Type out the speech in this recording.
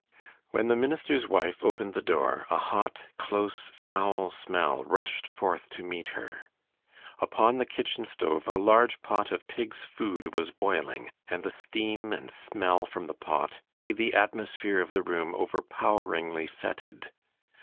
When the minister's wife opened the door, a hot, close, foul smell rushed forth to meet her. Upon the kitchen stove a large pot of pig's food was boiling, and the steam and smell from the pot made the atmosphere of the room overpoweringly fetid.